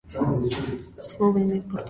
Слово имеет Португалия.